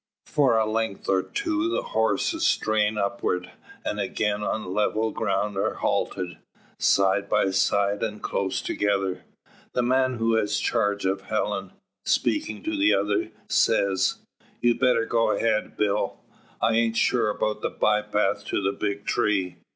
For a length or two the horses strain upward; and again on level ground are halted, side by side and close together. The man who has charge of Helen, speaking to the other, says: "You'd better go ahead, Bill. I aint sure about the bye path to the big tree.